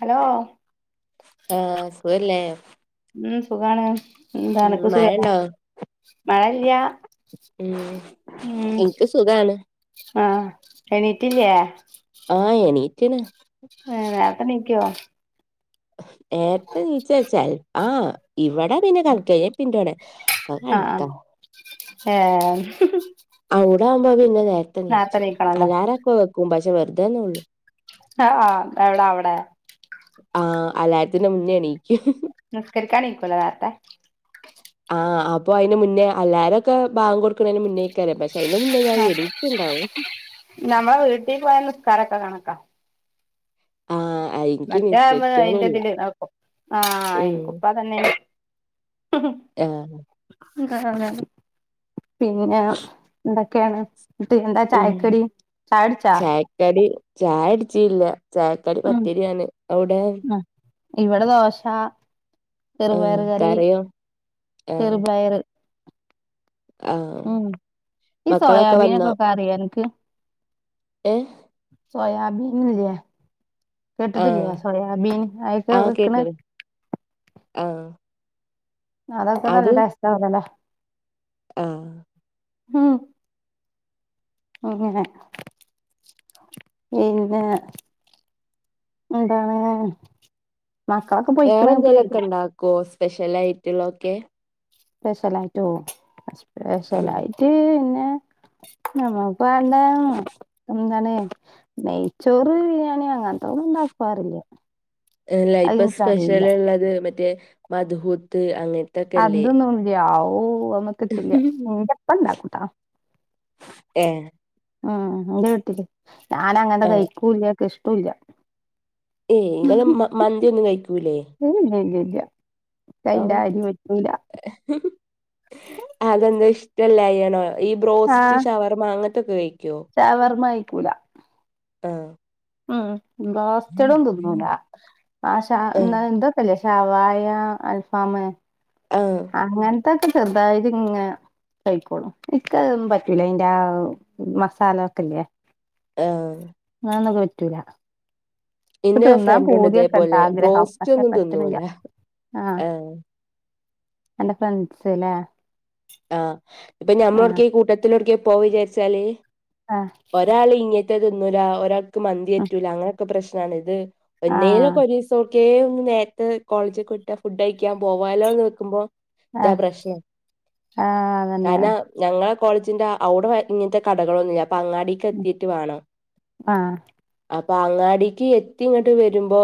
Hello ആഹ് സുഖെല്ലേ ഉം സുഖാണ് ന്താ ഉം അനക്ക് സുഖല്ലേ മഴണ്ടോ മഴല്ല്യാ ഉം ഇൻക്ക് സുഖാണ് ആഹ് എണീറ്റില്ല്യേ ആഹ് എണീറ്റ്ണ് ഏഹ് നേര്ത്തെ നീക്കോ നേര്ത്തെ നീച്ചാച്ചാൽ ആഹ് ഇവടെ പിന്നെ കണ്ക്കാ ഞാപിന്റോടെ അഹ് ആഹ് ഏഹ് അവ്ടെ ആവുമ്പോ പിന്നെ നേര്ത്തെ നേരത്തെ നീച്ചും ഉം നീക്കണല്ലോ അല്ലാറൊക്കെ വെക്കും പക്ഷെ വെറ്ദെന്നൊള്ളു. അ ആഹ് അവ്ടെ അവ്ടെ ആഹ് അലാര്ത്തിന്റെ മുന്നേ എണീക്കു ഹ് ഹ് ഹ് നിസ്കരിക്കാൻ നീക്കൂലെ നേര്ത്തെ? ആഹ് അപ്പൊ അയ്ന് മുന്നേ അല്ലാ രൊക്കെ ഭാങ്കൊട്ക്ണൈന് മുന്നേ ചെലേപ്പാെഷൈന മുന്നേ ഞാ ആഹ് എണീച്ച്ണ്ടാവും ട്ടീപോയ നിസ്കാരൊക്കെ കണക്കാ ആഹ് എനിക്ക് മറ്റേവുമ്പോ ഐന്റെ നിസ്കരിക്കാനുല്ല തില് ആക്കും ആ ഉം അയ്നിക്കുപ്പതന്നെണ് ഹ് ഹ് ആഹ് ഉം അ അ അ ഹ് പിന്നാ എന്തൊക്കെയാണ്.? ന്ട്ട് എന്താ ചായക്ക്ക്കടി ചായുട് ചാ? കടി ചായുട്ച്ചില്ല ചായകടി പത്തിരിയാണ് അവ്ടെ? ഇവടെ ദോശാ ആഹ് ചെറ്പയറ്കറി കരയും ആഹ് ചെറുപയറ് ആഹ് ഉം ഈ മക്കളൊക്കെ വന്നോ സോയാബീനൊക്കെ ക്കറിയോ അൻക്ക് ഏഹ് സോയാബീൻ ഇല്യേ ആഹ് കേട്ട്ട്ടില്യേ സോയാബീന് അഅ്ക്കെ ആഹ് വെക്ക്ണ് കേട്ടത് ആഹ് അതൊക്കെ നല്ല അത് ടേസ്റ്റാണലെലേ ആഹ് ഹും അങ്ങനെ പിന്നെ എന്താണ് മക്കളൊക്കെ പൊയ്ക്ക്ണ് ഇപ്പ വെരും കോസ്പെഷ്യലൈറ്റ്ള്ള ഒക്കെ സ്പെഷ്യലായ്റ്റൊ ആഹ് സ്പെഷ്യലായിറ്റ് പിന്നെ ഞമ്മ വേണ്ടായ്നു എന്തണ് നെയ് ചോറ് ബിരിയാണി അങ്ങനത്തൊന്നും ണ്ടാക്കാറില്ല എല്ലപ്പ സ്പെഷ്യൽ ള്ളത് മറ്റേ മദ്ഹൂത്ത് അങ്ങനെ അതൊന്നും ല്ല്യ ഓ അങ്ങ ക്ക്റ്റ്ല്ല്യ ന്റെപ്പണ്ടാക്കൂട്ടാ ഏഹ് ആ ന്റെ വീട്ട്ല് ഞാന അങ്ങൻത്തെ ആഹ് കഴിക്കൂല്ല ക്ക് ഇഷ്ട്ടുല്ല്യ. ഏയ് ങ്ങൾമ മന്തി ഒന്നും കഴിക്കൂലെ ല്ല ല്ല്യ ല്ല്യ ല്ല്യ കയിന്റെ ആ ത് പറ്റുല ഹ് ഹ് അതെന്താ ഇഷ്ടല്ല്യ യാണോ ഈ ബ്രോസ്റ്റ് ഷവർ മാ ങ്ങത്തൊക്കെ യിക്കോ? ശവർമ്മയിക്കൂല ആഹ് ഉം ബ്രോസ്റ്റഡും ത് ന്നുല ആശ ആഹ് ന്ന എന്താ ത് ല്ല്യെ ശഷവായ അൽഫാമ് ആഹ് അങ്ങനത്തൊക്കെ ചെറുതായിത് ഇങ്ങ കയിക്കോളും ഇക്ക് പറ്റൂല ന്റെ ആ മസാല ഒക്കല്ല്യെ ആഹ് ആന്നും പറ്റൂല ഇക്ക് ഇന്നെ രു തിന്നാൻ ഫ്രണ്ട് ഉണ്ട് പൂതിയൊക്കെ ഇണ്ട് തേപോലെ ആഗ്രഹം ബ്രോസ്റ്റ് പക്ഷെ ഒന്നും പറ്റണില്ല തിന്നുല ആഹ് അന്റെ ഫ്രണ്ട്സ് ലെ ആഹ് ഇപ്പൊ ഞമ്മളോട്കെ ഈ കൂട്ടത്തിലോട്ക്കെ പോ വിചാരിച്ചാല് ആഹ് ഒരാൾ ഇങ്ങനത്തെ തിന്നൂല ഒരാക്ക് ഉം മന്തിറ്റൂല അങ്ങനോക്കെ പ്രശ്നണ് ത് ആഹ് എന്നേലൊക്കെ ഒരീസോക്കെ ഒന്ന് നേരത്തെ കോളേജ് കോ ട്ട ഫുഡ് യിക്കാ പോവാലോന്ന് ന്ക്കുമ്പോ അ ആഹ് അതന്നെ കാരണം ഞങ്ങളെ കോളേജിന്റെ അവിടെ ഇങ്ങനത്തെ കടകളൊന്നുല്ല അപ്പൊ അങ്ങാടി എത്തിട്ട് വേണം ആഹ് അപ്പൊ അങ്ങാടിക്ക് എത്തി ഇങ്ങട്ട് വരുമ്പോ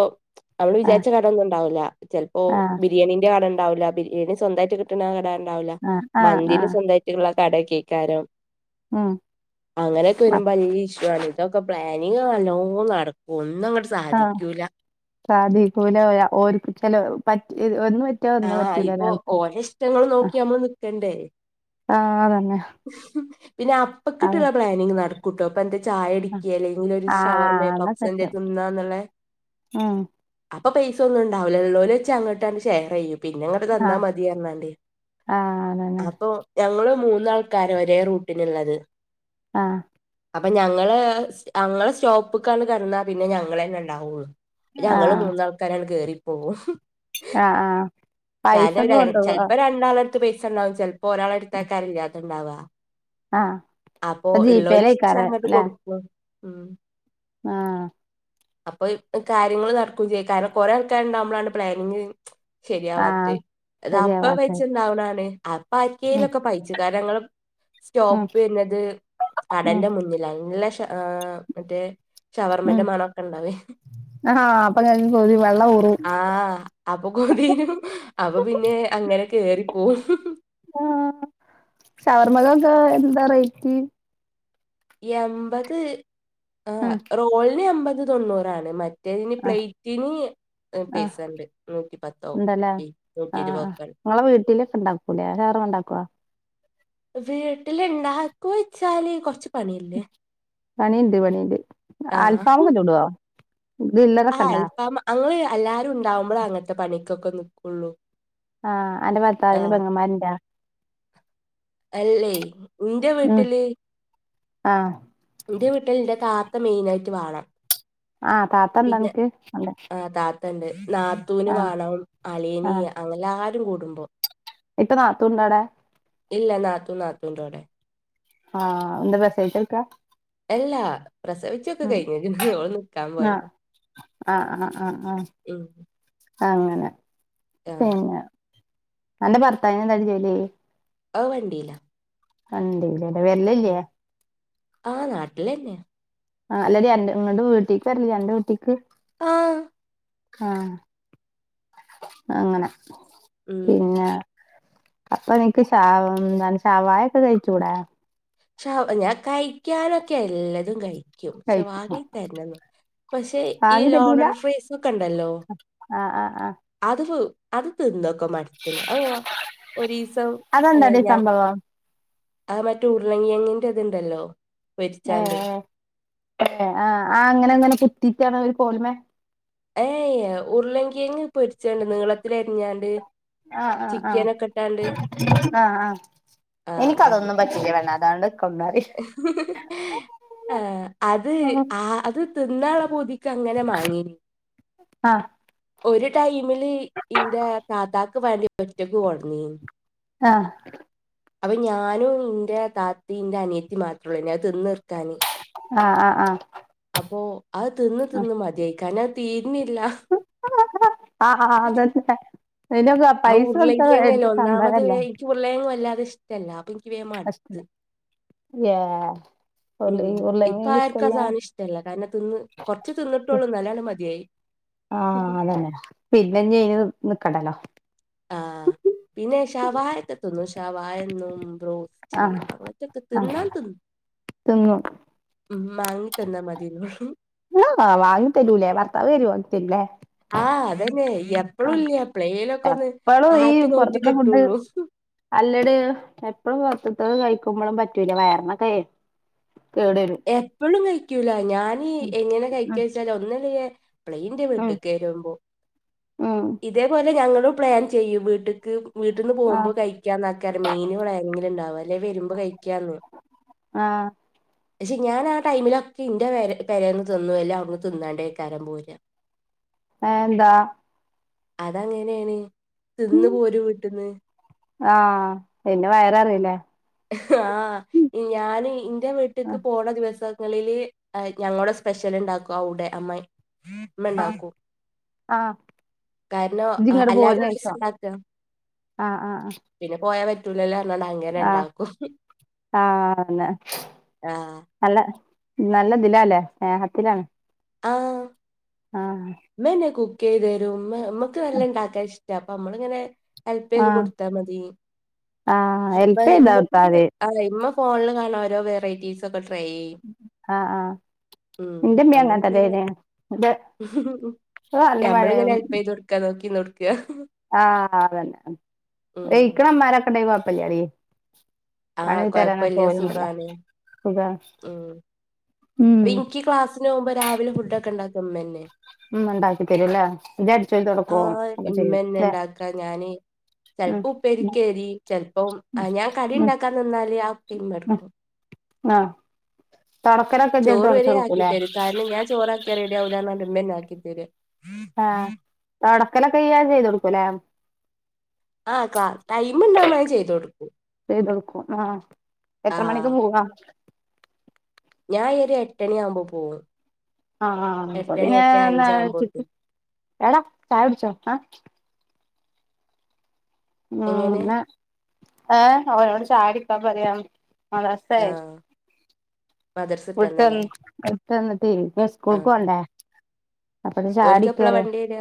നമ്മള് ആഹ് വിചാരിച്ച കട ഒന്നും ഉണ്ടാവൂല്ല ചിലപ്പോ ആഹ് ബിരിയാണീന്റെ കട ഉണ്ടാവൂല്ല ബിരിയാണി സ്വന്തമായിട്ട് കിട്ണ കട ഇണ്ടാവുല്ല ആഹ് ആഹ് മന്തിന് ആഹ് സ്വന്തമായിട്ടുള്ള കടകൊക്കാരും ഉം അങ്ങനെയൊക്കെ വരുമ്പോ വല്യ ഇഷ്യു ആണ് ഇതൊക്കെ പ്ലാനിങ് നല്ലോ നടക്കും ഒന്നും അങ്ങട്ട് സാധിക്കൂല സാധിക്കൂ ല ഒരാള് ഓര് ചെ ലോര പറ്റി ആഹ ഇപ്പോ ഓരോ ഇഷ്ടങ്ങളും ആഹ് നോക്കി നമ്മള് നിക്കണ്ടേ ആഹ് അതന്നെ. പിന്നെ ആഹ് അപ്പക്കിട്ടുള്ള പ്ലാനിങ് നടക്ക കൂട്ടോപ്പൊ എന്റെ ചായയുടി ആഹ് ഒക്ക അല്ലെങ്കിൽ ഒരു ഷവർ മേ ആഹ് പപ്സ് എന്തേലും തിന്നാന്നുള്ള ആ അപ്പൊ പൈസ ഒന്നും ഉണ്ടാവില്ലല്ലള്ളോല വെച്ച് അങ്ങോട്ടാണ് ഷെയർ ചെയ്യും പിന്നെങ്ങട്ട തന്നാ ആഹ് മതി പറഞ്ഞാണ്ട് ആഹ് അതന്നെ അപ്പൊ ഞങ്ങള് മൂന്നാൾ ക്കാരം ഒരേ റൂട്ടിനുള്ളത് ആഹ് അപ്പൊ ഞങ്ങള് ഞങ്ങളെ സ്റ്റോപ്പ്ക്കാണ് കടന്നാ പിന്നെ ഞങ്ങള ന്നെ ഇണ്ടാവുള്ളു ഞങ്ങള്ൾ ആഹ് മൂന്നാൾക്കാരാണ് കേറിപ്പോകും ആഹ് ആഹ് പൈസൊക്കെ [unintelligible] കൊണ്ടോവോ ചെലപ്പോ രണ്ട്. രാള അടുത്ത് പൈസ ഇണ്ടാവും ചിലപ്പോ ഒരാള ടുത്താക്കാരും ഇല്ലാത്തണ്ടാവ. ആഹ് അപ്പൊ ഇപ്പൊ ഇള്ളലച്ച് ജീപേയിലേക്കാരം അങ്ങോട്ട് ല്ലേ കൊടുക്കും ഉം ആഹ് അപ്പൊ കാര്യങ്ങങ്ള് നടക്കു ചെയ്യും കാരണം കൊറെ ആൾക്കാര്ണ്ടാകുമ്പളാണ് പ്ലാനിങ്. ശരിയാവാത്ത ആഹ് അത അപ്പ ശരിയാവാത്തെ വച്ച എന്താവണാണ് അപ്പ ഉം ആരിക്കലൊക്കെ പൈച്ച [unintelligible] ഉം സ്റ്റോപ്പ് വരുന്നത് ഉം കടന്റെ മുന്നിൽ. നല്ല ഷ ആഹ് മറ്റേ ഉം ഷവർമന്റെ മണൊക്കെ ഇണ്ടാ വെ [unintelligible] ആഹ് അപ്പൊ കൊതിനും അപ്പൊ പിന്നെ അങ്ങനെ കേറിപ്പോവും. ആഹ് ഷവർമ്മയ്ക്കക്കെ എന്താ റെയിറ്റ്? എപത് ആഹ് ഉം റോളിന് എൺമ്പത് തൊണ്ണൂറാണ് മറ്റ മറ്റേതിന് ആഹ് പ്ലേറ്റിന് ആഹ് പൈസ ഇണ്ട് നൂറ്റി പത്തോ നൂറ്റി ഇരുപതൊക്കെ ഇണ്ട്. നിങ്ങളെ വീട്ടിലക്കെണ്ടാക്കൂല്ലേ ശവർമ്മ ഉണ്ടാക്കുവ വീട്ടില് ഉണ്ടാക്കു വെച്ചാല് കൊറച്ച് പണിയല്ലേ പണിയണ്ട് പണിയണ്ട് ആൽഫാ മൊക്ക ചു ടോ? ആഹ് അൽഫാം അങ്ങള് എല്ലാരും ഉണ്ടാവുമ്പോഴ അങ്ങനത്തെ പണിക്കൊക്കെ നിക്കുള്ളൂ. അന്റെ ഭർത്താവിന് ആഹ് പെങ്ങന്മാരുന്റ അല്ലേ ഇന്റെ ഉം വീട്ടില്. ആഹ് എന്റെ വീട്ടിൽ എന്റെ താത്ത മെയിൻ ആയിട്ട് വാണം. ആഹ് താത്ത ഇണ്ടാ പിന്നെ അനക്ക് ഉണ്ട് ആഹ് താത്തണ്ട് നാ ത്തൂന് ആഹ് വാണം അളിയന് അങ്ങനെല്ലാരും കൂടുമ്പോ. ഇപ്പ നാത്തൂണ്ടവിടെയ ഇല്ല നാത്തൂ നാത്തൂേന്റാടെ. ആഹ് എന്ത പ്രസവിചെട്ക്കാ അല്ലാ പ്രസവിച്ചൊക്കെ കഴിഞ്ഞ്ക്ക്ണ് ഓൾ നിക്കാൻ ആഹ് പോയതാ. ആഹ് ആഹ് ആഹ് ആഹ് ഉം അങ്ങനെ ആ പിന്നെ അന്റെ ഭർത്താവിനെ ന്താടി ജോലി? അത് വണ്ടീല വണ്ടിലല്ലേ വരലില്ലേ ആഹ് നാട്ടിലന്നെയ. ആ അല്ല ടി നിങ്ങളുടെ വീട്ടിക്ക് വരണില്ല അന്റെ വീട്ടിക്ക് ആ.... ആഹ് അങ്ങനെ ഉം പിന്നെ. അപ്പൊ നിനിക്ക് ഷാ എന്താണ് ശവായ ഒക്കെ കഴിച്ചൂടാ? ശവ ഞാൻ കഴിക്കാനൊക്കെ എല്ലതും കഴി ക്കും പക്ഷെ കഴി വാങ്ങിതരണണന്നൊള്ളു പക്ഷെ ഈ വാങ്ങി തരൂല ലോഡർ ഫ്രൈഡ്സ ഒക്കെ ഉണ്ടല്ലോ? ആഹ് ആഹ് ആഹ് അത് അത് തിന്നക്കെ മട്ത്തിന് ഓ ഒരീസം ഏ അതെന്താടി ഞാ സംഭവം ആ മറ്റ ഉരുളങ്ങിയങ്ങിന്റെ ഇതുണ്ടല്ലോ? ഏ പൊരിച്ചാണ്ട് ഏ ആ ആ അങ്ങനെ അങ്ങനെ കുത്തിട്ടാണ് ഒരു കോല്മ്മേ ഏയ് ഉരുളങ്കിയങ്ങ് പൊരിച്ചോണ്ട് നീളത്തില എരിഞ്ഞാണ്ട് ആഹ് ആഹ് ആഹ് ആഹ് ആഹ് ആ എനിക്കതൊന്നും പറ്റില്ലേ വല്ലാതെ അതാണ് കറി [unintelligible] ആഹ് അത് ആഹ് അത് തിന്നാല്ലെ പൂതി തിക്കു അങ്ങനെ മാങ്ങീ ആഹ് ഒരു ടൈമില് ഇൻ്റെ താത്താക്ക് വേണ്ടി ഒറ്റക്ക്കൊട്നിം ആഹ് അപ്പൊ ഞാനും ഇന്റെ താത്തി ഇന്റെ അനിയത്തി മാത്രമ ഉള്ളൂന്നെ അത് തിന്ന തീർക്കാന് ആഹ് ആഹ് ആഹ് അപ്പോ അത് തിന്ന് തിന്ന് മതിയായി കാരണംഅത് തീരുന്നില്ല. ആഹ് അതന്നെ ഇതിനൊ [unintelligible] ക്കെ ആ പൈസ കൊളത്ത എടുത്ത ഉരുളങ്കിഴങ്ങല്ലേ ഒന്നാമത് സംഭവല്ലേ വേ- എനിക്ക് ഉള്ളേങ്ങും വല്ലാതെ ഇഷ്ടമല്ല അപ്പൊ എനിക്ക് വേ ഫസ്റ്റ് മടുത്ത്. ഏ ഉരുള ഉം ഇപ്പ ഉരുളകിഴങ്ങ് ആർക്കും ഇഷ്ടല്ല ആസാനഷ്ട ഷ്ട്ടല്ല കാരണം തിന്ന് കുറച്ച് തിന്നിട്ടുള്ളൂ നല്ലാണ് മതിയായി ആഹ് അതന്നെ പിന്നഞ്ഞെയിന് നിക്കണ്ടല്ലോ. ആഹ് പിന്നെ ഷവാകയക്കത്തിന്നു ഷാവായന്നും ബ്രോ ആ ച്ച് അങ്ങൻത്തെക്കെ തിന്നാൽ തി തിന്നോ മ്മാങ്ങി തന്ന [unintelligible] ആഹ് വാങ്ങി തരൂലേ ഭർത്താവ് വരോ വങ്ത്തരുലേ ആഹ് അതന്നെ എപ്പഴുല്യ പ്ലേലൊ കൊന്ന് ഇപ്പളും ആറ്റ് നോറ്റ് കിട്ടൊള്ളു. അല്ലടെ എപ്പഴും പൊർത്തത്തത് കയിക്കുമ്പളും പറ്റൂല വയർനക്കൈ എപ്പഴും കയ്ക്ക്യൂല ഞാനീ ഉം എങ്ങനെ ഉം കയ്ക്കാച്ചാല് ഒന്നല്ലങ്കെ പ്ലേ ൻ്റെ ഉം വീട്ട്ക്ക് രുമ്പോ ഉം ഇതേപോലെ ഞങ്ങളുപ്ലാൻ ചെയ്യും വീട്ട്ക്ക് വീട്ട്ന്ന് പോവുമ്പോ ആഹ് കഴിക്ക്യാന്നക്കാരം മൈന് പ്ലാനിങ്ങില്ണ്ടാവ അല്ലങ്കി വര്മ്പോ കഴിക്ക്യാന്ന് ആഹ് ക്ഷെ ഞാൻ ആ ടൈമിലൊക്കി ഇന്റെ പെരെ പെരെന്ന്തിന്നുവല്ലെ അവട്ന്ന് തിന്നാണ്ടയ്കാരം പോരാ. ആഹ്എന്താ? അതങ്ങനെണ് തിന്ന് പോരു വീട്ട്ന്ന് ആഹ് വിന്നെ വയറ് റയിലേ ഹ് ആഹ് ഇഞാന് ഇന്റെ വീട്ട്ക്ക് ആഹ് പോണ ദിവസങ്ങളില് അയ് ഞങ്ങളുസ്പെഷ്യല്ണ്ടാക്കൊവ്ടെ അമ്മായി മ്മ ആഹ് ണ്ടാക്കും. ആഹ് കാര്നോ അ ഇജ്ജിങ്ങട് പോര്നേസം അല്ലാതെരിസണ്ടാക്ക ആഹ് ആഹ് പിന്നെ പോയാ പറ്റൂലല്ലേർഞ്ഞാണ്ട അങ്ങനെണ്ടാ ആഹ് ആഹ് ന്ന് ആഹ് നല്ല നല്ലതിലാല്ലേ സ്നേഹത്തിലാണ് ആഹ് ആഹ് മ്മന്നെ കുക്കീതരും മ്മ മ്മക്ക് നല്ല ണ്ടാക്കാൻ ഇഷ്ടാ അപ്പമ്മള്ങ്ങനെ ഹെൽപീത് ആഹ് കൊട്ത്താ മതീ ആഹ് അപ്പ ഹെൽപ്പെയ്താ ഇമ്മക്ക് കൊടുത്താതി ആതെ ഇമ്മ ഫോൺല് കാണാ ഒരോ വെറൈറ്റീസൊക്കെ ട്രൈ യ് ആഹ് ആഹ് മ് ഇന്റെമ്മീം അമ്മള്ങ്ങനെ അങ്ങൻതന്നേനി ഇത് ഇത് നല്ല ഞമ്മള്ങ്ങനെ മഴയും ഹെൽപിതോട് ക്ക നോക്കിന്നോട്ക്കാ ആഹ് അത് തന്നെ വെയ്ക്ണ മ്മാരൊക്കണ്ടങ്കി കൊഴപ്പല്യടീ. ആ അണിൽ തരാന കൊഴപ്പില്ല സയല്ല സുഖാണ് സഖ- ഉം ഇൻക്യ് ക്ലാസ്നോവുമ്പോ രാവിലെ ഫുഡക്കെണ്ടാക്ക മ്മന്നെ ഉം ണ്ടാക്കി തരൊല്ലേ ഇജടിച്ചോരി തൊടക്കോ ഒക്കെ ചെയ്യും ല്ലെ? ക്ക ഞാന് ചെൽപ്പോ ഉപ്പേരിക്കെരി ചെൽപ്പം അ ഉം ഉം ഞാക്കടിണ്ടാക്കാനിന്നാല് ആ പ്പി ഞട്ക്കും. ആഹ് തൊടക്കലൊക്കെ ഇജെൻ തൊടച്ചൊട്ക്കൂലേ. ന്നെ ഞാചോറാക്യ റെടിയാവൂലന്നർട്ട് മ്മെന്നാക്കിത്തര്യാ ആഹ് തൊടക്കലൊക്കെ യ്യാചെയ്തൊ ട്ക്കുലേ ആഹ് ക്ലാ ടൈമ്ണ്ടാമ്പോ ഞാചെയ്തൊട്ക്കു ചെയ്തൊടുക്കും ആ എത്ര മണിക്ക് പൂവാ ഞായെര് എട്ടണിയാവുമ്പോ പോവും. ആഹ് എട്ടണി അപ്പൊപിന്നെ എട്ടേ ന്താച്ട്ട് അഞ്ചാവുമ്പോത്തും എടാ ചായുട്ച്ചോ എ മ് എങ്ങനെ നെ ഏ അവനോട് ഷായുടിക്കാ മ്പറിയാ മദർസെ ആഹ് മദ്രസ വിട്ടന്നല്ലേ വിട്ടൊന്ന് വട്ട് വന്നിട്ടെയ് വേം ആഹ് സ്കൂൾക്കോണ്ടേ അപ്പഞ് ഓൽക്ക് ചായടിക്ക്റ്യാ എപ്പളാ വണ്ടി വരാ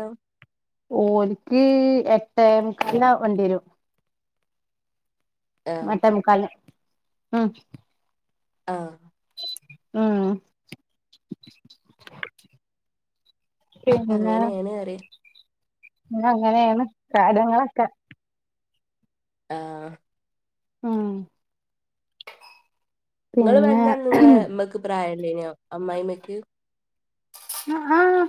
ഓൽക്ക് എട്ടേമുക്കാലിനാ വണ്ടി വരു ആഹ് മട്ടെ മുക്കാൽന് ഉം ആഹ് ആഹ്. അപ്പൊ അങ്ങനെയാണ് അറിയാം. അങ്ങനെയാണ് കാര്യങ്ങളൊക്കെ. ആഹ്. ആഹ്. നിങ്ങള് വന്നാ അന്ന് നിങ്ങളെ ഇമ്മക്ക് പ്രായം ഉണ്ടായിനോ അമ്മായിമ്മയ്ക്ക്? ആഹ്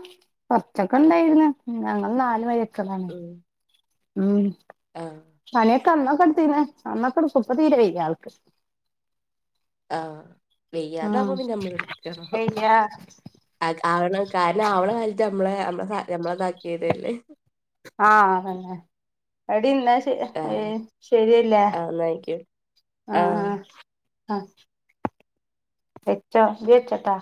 കൊറച്ചൊക്കെ ഉണ്ടായിരുന്നു ഞങ്ങള് നാല് വയ- ത്താതാണ് ഉം മ്. ആഹ്. പണിയൊക്കെ അന്നൊക്കെ എടുത്തീന്ന് അന്നൊക്കെയെടുക്കും ഇപ്പൊ തീരെ വയ്യാ ആയാൾക്ക്. ആഹ് ഉം വയ്യാതാവുമ്പോ പിന്നെ നമ്മള് എടുക്കണം. വയ്യ ആഹ് ആവണ കാരണം ആവണ കാലത്ത് നമ്മളെ നമ്മള നമ്മളെ ഇതാക്കിയതല്ലേ. ആഹ് അതന്നെ. എടി ന്നാ ശ ആഹ് ഏഹ് ശരിയല്ലേ ആഹ് ന്നാ ആയിക്കോട്ടെ ആഹ് ആഹ്. ആഹ് വെച്ചോ നീ വച്ചോട്ടോ.